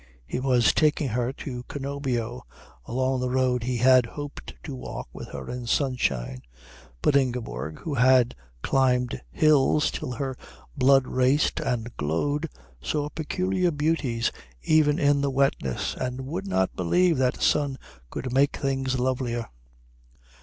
He was taking her to Cannobio, along the road he had hoped to walk with her in sunshine; but Ingeborg, who had climbed hills till her blood raced and glowed, saw peculiar beauties even in the wetness, and would not believe that sun could make things lovelier.